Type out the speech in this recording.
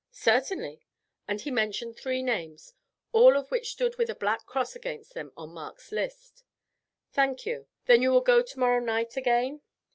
"Certainly;" and he mentioned three names, all of which stood with a black cross against them on Mark's list. "Thank you. Then you will go tomorrow night again?"